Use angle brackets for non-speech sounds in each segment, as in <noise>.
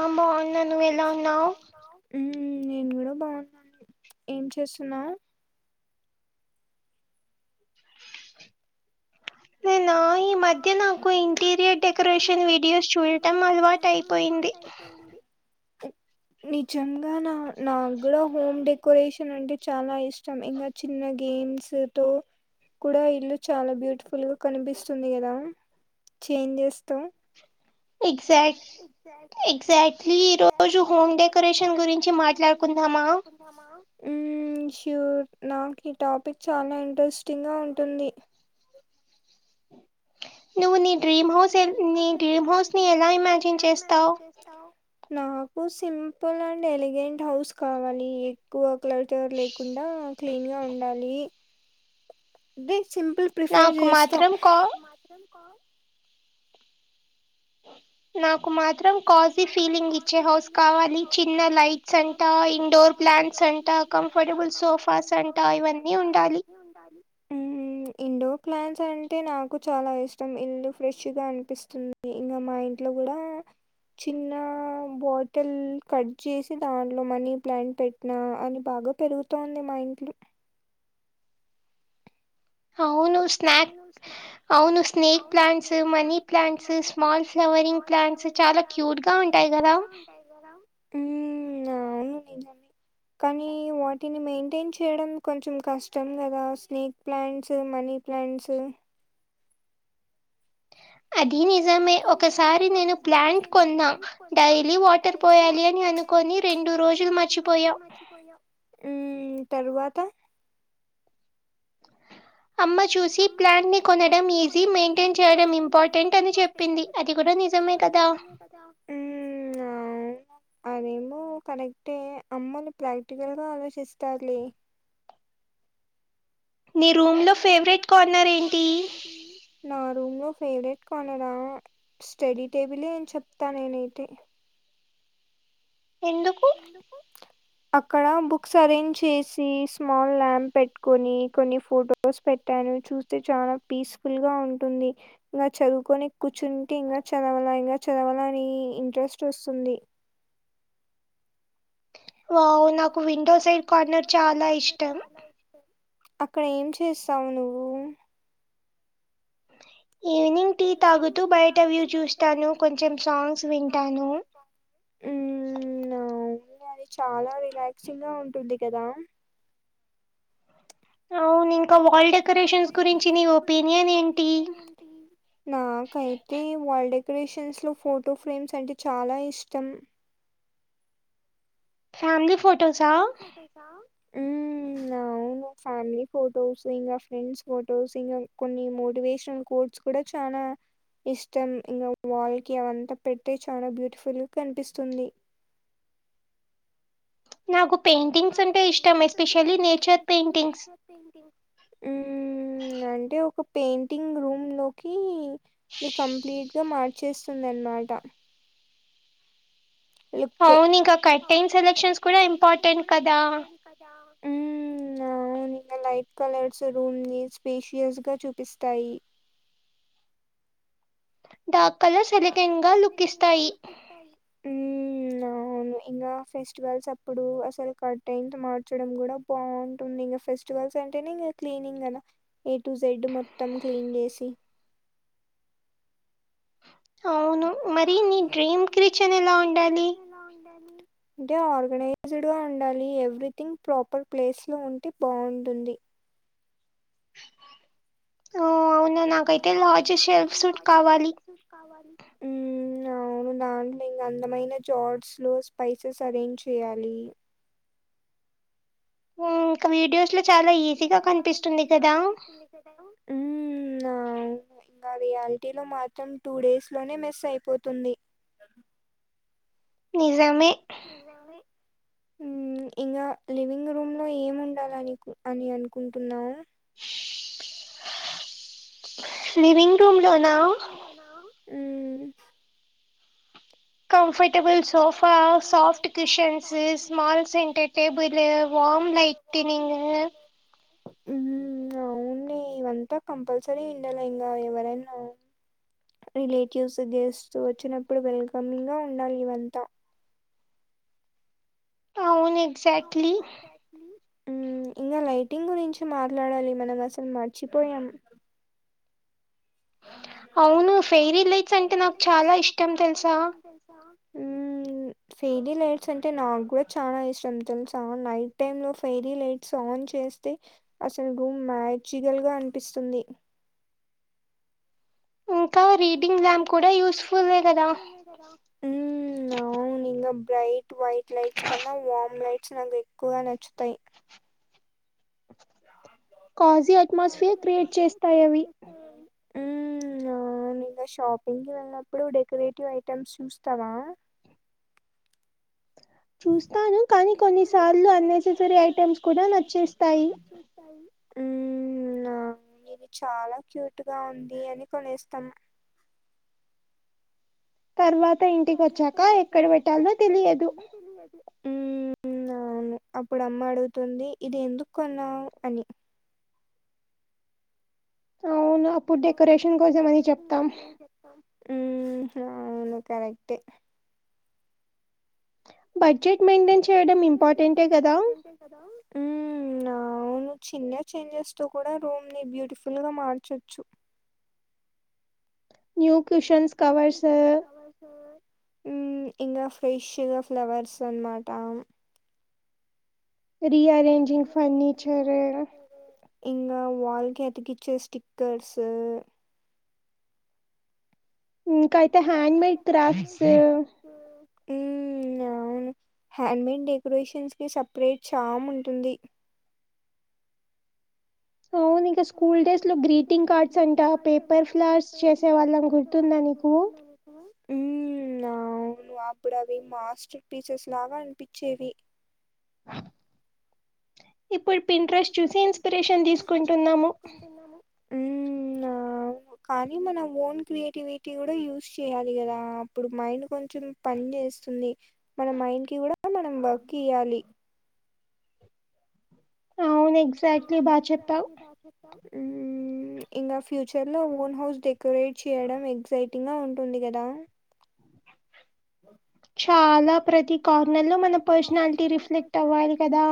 ఆహ్ బావున్నా నువ్వు ఎలా ఉన్నావు. నేను కూడా బాగున్నా ఏం చేస్తున్నావు. <inaudible> ఈ మధ్య నాకు ఇంటిరియల్ డెకరేషన్ వీడియోస్ చూడటం అలవాటు అయిపోయింది. ఉమ్. నిజంగానా నాకు కూడా హోమ్ డెకరేషన్ అంటే చాలా ఇష్టం ఇంకా చిన్నకి. గేమ్స్ తో కూడా ఇల్లు చాలా బ్యూటిఫుల్ గా కనిపిస్తు. వస్తుంది కదా చేంజ్ చేస్తా. సైట్. సైట్ ఎజాక్ట్లీ ఈ రోజు హోమ్ డెకరేషన్ గురించి మాట్లాడుకుందామా. ఉమ్ షూర్ నాకు ఈ టాపిక్ చాలా ఇంట్రెస్టింగ్ గా ఉంటుంది. నువ్వు నీ డ్రీమ్ హౌస్ నీ డ్రీమ్ హౌస్ ని ఎలా ఇమాజిన్ చేస్తావు. నాకు సింపుల్ అండ్ ఎలిగెంట్ హౌస్ కావాలి ఎక్కువ క్లర్టర్ లేకుండా. క్లీన్ గా ఉండాలి. అదే సింపుల్ ప్రిఫార్ చేస్తా. నాకు. నాకు మాత్రం కాసి ఫీలింగ్ ఇచ్చే హౌస్ కావాలి చిన్న లైట్స్ అంట ఇండోర్ ప్లాంట్స్. లైట్స్ అంట కంఫర్టబుల్ సోఫాస్ అంట ఇవన్నీ ఉండాలి ఊహు. ఇండోర్ ప్లాంట్స్ అంటే నాకు చాలా ఇష్టం ఇల్లు ఫ్రెష్ గా అనిపిస్తుంది ఇంకా మా ఇంట్లో. కూడా. చిన్న బాటిల్ కట్ చేసి దాంట్లో మనీ ప్లాంట్ పెట్టినా అవి. బాగా పెరుగుతంది మా ఇంట్లో. అవును స్నాక్ అవును snake plants money plants small flowering. Flowering plants చాలా క్యూట్ గా ఉంటాయి కదా ఉమ్ అ. అవును నిజమే. కానీ వాటిని మెయింటైన్ చేయడం కొంచెం కష్టం కదా స్నేక్ ప్లాంట్స్ మనీ. ప్లాంట్స్. అది నిజమే ఒకసారి నేను ప్లాంట్ కొన్నా డైలీ వాటర్ పోయాలి అని అనుకు. అనుకోని రెండు రోజులు మర్చిపోయా ఉమ్. తరువాత. అమ్మ చూసి ప్లాంట్ ని కొనడం ఈజీ మెయింటైన్ చేయడం ఇంపార్టెంట్ అని చెప్పింది అది కూడా నిజమే. అది కూడా నిజమే కదా ఉమ్ అవును. ఆయనేమో కరేక్టే అమ్మలు ప్రాక్టికల్ గా ఆలోచిస్తరులే నీ రూం లో ఫేవరెట్ కార్నర్ ఏంటి నా రూం లో ఫేవరెట్ కార్నర్ ఆ స్టడీ టేబులే అని చెప్తా నేనైతే ఎందుకు? అక్కడ బుక్స్ అరేంజ్ చేసి, స్మాల్ ల్యాంప్ పెట్టుకుని, కొన్ని ఫోటోస్ పెట్ టెన్ చూస్తే చాలా పీస్ఫుల్ గా ఉంటుంది ఇంకా చదువుకొని కూర్చుంటే ఇంకా చదవ అలా అయినా చదవాలని ఇంట్రెస్ట్ వస్తుంది. వావ్ నాకు విండో సైడ్ కార్నర్ చాలా ఇష్టం. అక్కడ ఏం చేస్తావు నువ్వు? టీ తాగుతూ బయట వ్యూ చూస్తాను కొంచెం సాంగ్స్ వింటాను. ఉమ్ నవ్ అది చాలా రిలాక్సింగ్ గా ఉంటుంది కదా ఆవును ఇంకా వాల్ డెకరేషన్ గురించి ని ఒపీనియన్ ఏంటి? నాకై తే వాల్ డెకరేషన్స్ లో ఫోటో ఫ్రేమ్స్ అంటే చాలా ఇష్టం. ఫ్యామిలీ ఫో ఫ్యామిలీ ఫోటోస ఊ నా అవును ఫ్యామిలీ ఫొటోస్ ఇంగ ఫ్రెండ్స్ ఫొటోస్ ఇంగ కొన్ని మోటివేషనల్ కోడ్స్ కూడా చానా ఇష్టం ఇంగ వాల్ కి అవంతా పెట్టే చాలా బ్యూటిఫుల్ గా కనిపిస్తుంది. నాగు నాకు పెయింటింగ్ ప్రింట్ ఇష్టమె ఉన్నా అంటే ఒక పెయింటింగ్ రూమ్ లోకి ని కంప్లీట్ ఇగ మార్చేస్తుందినమాట. లుక్ అవును ఇక కటింగ్ సెలక్షన్ కూడా ఇంపార్టెం కదా ఉమ్ నువును లైట్ కలర్స్ రూమ్ ని స్పేషియస్ గా చూపిస్తాయి. డాగ్ నా కల్లకు ఇరిటింగా లుక్కిస్తాయి మ్ నవును ఇంకా ఫెస్టివల్స్ అప్పుడు అసలు కట్ టై త మార్చడం కూడా బావుంటుంది ఇంకా ఫెస్టివల్స్ అంటేనే క్లీనింగ్ అ ఏ టు జెడ్ మొత్తం క్లీన్ చేసి అవును మరి నీ డ్రీమ్ క్రిచన్ ఎలా ఉండాలి? అంటే ఆర్గనైజ్డ్గా ఉండాలి ఎవ్రీథింగ్ ప్రాపర్ ప్లేస్లో ఉంటే బావుంటుంది. అవున్ అవును నాకైతే వాచ్ సెవ్స్ కావాలి ఉమ్ అవును దాంట్లో ఇంకా అందమైన జాట్స్ లో స్పైసెస్ అరేంజ్ చేయ్యాలి. హ మ్ ఇంకా వీడియోస్ ని చాల ఈజీ కనిపిస్తుంది కదామ్ నవును గ రియాలిటీ లో మాత్రం టూ డేస్ లోనే మిస్ అయిపోతుంది. నిజమే నిజమె హ్మ్ ఇంకా లివింగ్ రూమ్ లో ఏమి ఉండాలని అని అనుకుంటున్నారా లివింగ్ రూమ్ లోనా హ్మ్ comfort table sofa soft cushions small centre table వ లైట్ టినింగు ఉ అవునులే ఇవంతా కంపల్సరీ ఉండేలే ఇంకా ఎవరైనా అవును రిలేటివ్స్ గెస్ట్ వచ్చినప్పుడు వెల్కమ్ గా ఉండాలి ఇవంతా అవును ఎక్జాక్ట్లీ ఇంకా లైటింగ్ గురించి మాట్లాడాలి మనం అసలు మర్చిపోయాం అవును ఫైరీ లైట్స్ అంటే నాకు చాలా ఇష్టం తెలుసా హ్మ్ ఫేరీ లైట్స్ అంటే నాకు కూడా చాలా ఇష్టం తెలుసా నైట్ టైమ్ లో ఫైయిరీ లైట్స్న్ చేస్తే అసలు రూమ్ మేజికల్ గా అనిపిస్తుంది హ్మ్ అవునండి బ్రైట్ వైట్ లైట్స్ కన్నా వామ్ లైట్స్ నాకు ఎక్కువగా నచ్చుతాయి కౌజి అట్మాస్ఫియర్ క్రియేట్ చేస్తాయవి ఉం అవును ఇంక షాపింగ్కి వెళ్ళినప్పుడు డెకరేటివ్ ఐటమ్స్ చూస్తావా చూస్తాను కానీ కొన్నిసార్లు ఉన్నాసేస్సరీ ఐటమ్స్ కూడ నచ్చుతాయి ఉం నేను చాలా క్యూట్ గా ఉంది అని కొనేస్తాం తర్వాత తర్వాత ఇంటికి వచ్చాక ఎక్కడ పెట్టాలో తెలియదు హ్మ్ హ్మ్ అవును అప్పుడు అమ్మ అడుగుతుంది ఇది ఎందుకు కొన్నావు అని అవునా అప్పుడు డెకరేషన్ కోసం అని చెప్తాం ఉ అవును కరెక్ట్టె బడ్జెట్ మైంటైన్ చేయడం ఇంపార్టెంటే కదా హ్మ్ అ అవును చిన్న చేంజెస్ తో కూడా రూమ్ ని బ్యూటిఫుల్ గా మార్చొచ్చు న్యూ కషన్స్ కవర్స్ ఇంకా ఫ్రెష్గా ఫ్లవర్స్ అనమాటా రి అరేంజింగ్ ఫర్నీచర్ ఇంగ వాల్ కి అతికించే స్టైకెర్స్ ఇంకాయితే హ్యాండ్ మేడ్ క్రాఫ్ట్స్ ఉంయ్ అవును హ్యాండ్ మేడ్ డెకొరేషన్స్ కి సపరేట్ చామ్ ఉంటుంది ఆవునింకా స్కూల్ డేస్ లో గ్రీటింగ్ కార్డ్స్ అంట పేపర్ ఫ్లవర్స్ చేసే వాళ్ళని గుర్తుందా నీకు గుర్తుందానికు ఉ అవును అప్పుడవి మాస్టర్ పీసెస్ లాగా అనిపించేవి ఇప్పు ఇప్పుడు ఇంట్ర్రస్ట్ చూపే ఇన్స్పిరేషన్ తీసుకుంటున్నాము ఉం ఆ కానీ మన ఓన్ క్రియేటివిటీ కూడా యూస్ చేయాలి కదా అప్పుడు మైండ్ కొంచెం పని చే చేస్తుంది మన మైండ్ కి కూడా మనం వర్క్ ఇయాలి ఎగ్జాక్ట్లీ బాగా చెప్పావు. ఉమ్. ఇంకా ఫ్యూచర్ లో ఓన్ హౌస్ డెకరేట్ చేయడం ఎక్సైటింగ్ గా ఉంటుంది కదా. ఆహ్. చాలా ప్రతి కార్నర్ లో మన పర్సనాలిటీ రిఫ్లెక్ట్ అవ్వాలి కదా.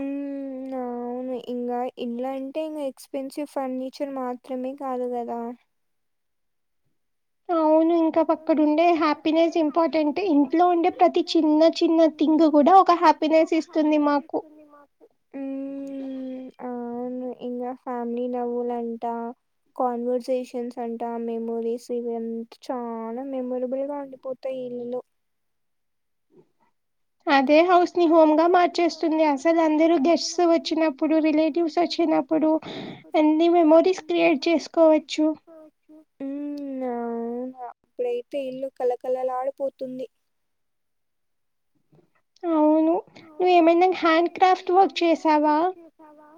ఉమ్ ఆహ్. అవును ఇంకా ఇల్లు అంటే ఇంకా ఎక్స్పెన్సివ్ ఫర్నిచర్ మాత్రమే కాదు కదా. ఇంకా అక్కడ ఉండే హ్యాపీనెస్ ఇంపార్టెంట్ ఇంట్లో ఉండే ప్రతి చిన్న చిన్న తింగ్ కూడా ఒక. ఉమ్ అవును. ఇంకా ఫ్యామిలీ నవ్వులంట. కాన్వర్సేషన్స్ అంటా ఆహ్ మెమోరీస్ ఇవన్నీ. చాలా మెమొరబుల్ గా ఉండిపోతాయి ఇళ్ళల్లో. ఆహ్. <unintelligible> ని హోమ్ గా మార్చేస్తుంది అసలు అందరు గెస్ట్స్ వచ్చినప్పుడు రిలేటివ్స్ వచ్చినప్పుడు. అన్ని మెమరీస్ క్రియేట్ చేసుకోవచ్చు ఉమ్ అవును. అవునా ఇప్పుడైతే ఇల్లు కలకలలాడిపోతుంది. అవును నువ్వు ఏమైన హ్యాండ్. హ్యాండ్ క్రాఫ్ట్ వర్క్ చేసావా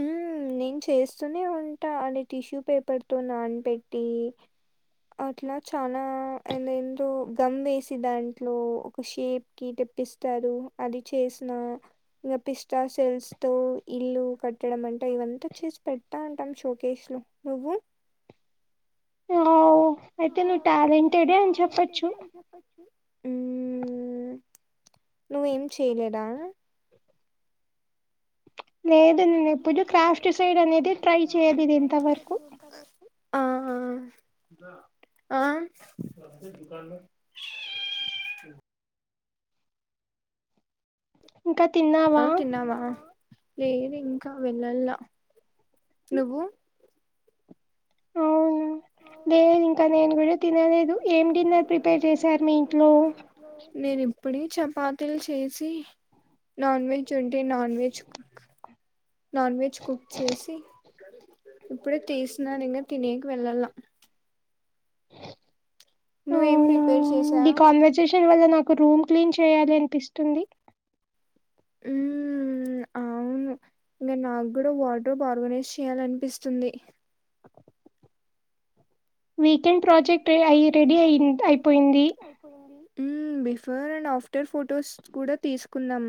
ఉమ్. నేను చేస్తూనే ఉంటా అని టిష్యూ పేపర్ తో నానబెట్టి. అట్లా చానా ఏంటేంటో గమ్ వేసి దాంట్లో ఒక షేప్ కి డీప్. తెప్పిస్తారు అది చేసిన. ఇంకా పిస్తా సెల్స్ తో ఇల్లు కట్టడం అంటే ఇవంతా చేసి పెడతా ఉంటాం షో కేసు లో. నువ్వు. ఆవ్ అయితే నువ్వు టాలెంటెడే అని చెప్పొచ్చు. ఉమ్ నువ్వేం చేయలేడా. లేదు నేను ఇప్పుడు క్రాఫ్ట్ సైడ్ అనేది ట్రై చేయ్యాలి ఇది ఇంతవరకు. ఆహ్ ఆహ్. ఆహ్. ఇంకా తిన్నావా. లేదు ఇంకా వెళ్ళలా నువ్వు. అవును. లేేదు ఇంకా నేను కూడా తినలేదు ఏం డిన్నర్ ప్రిపేర్ చేసారు మీ ఇంట్లో. నేను ఇప్పుడే చపాతీలు చేసి. నాన్ వెజ్ ఉంటే నాన్ వెజ్ కు పక్కన. నాన్ వెజ్ కుక్ చేసి. ఇప్పుడే చేసిననింగ తినేకి వెళ్ళాల. అవునా ఈ కాన్వర్జేషన్ వల్ల నాకు. ఒక రూమ్ క్లీన్ చేయాలనిపిస్తుంది. ఉమ్ ఆహ్. అవును ఇంకా నాకు కూడా వాటర్ ఆర్గనైజ్ చేయాలనిపిస్తుంది. వీకెండ్ ప్రాజెక్ట్ అయి రెడీ అయి అయిపోయింది. బిఫోర్ అండ్ ఆఫ్టర్ ఫొటోస్ కూడా తీసుకుందాం.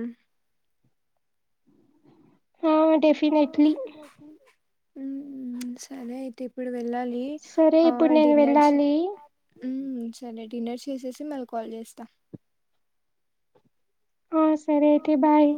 ఉమ్ సరే అయితే ఇప్పుడు. వెళ్ళాలి ఆ డిన్నర్ హ్మ్ సరే డిన్నర్ చేసేసి మళ్ళ కాల్ చేస్తా ఆ సరే అయితే బాయ్